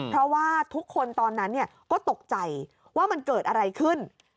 เพราะว่าทุกคนตอนนั้นก็ตกใจว่ามันเกิดอะไรขึ้น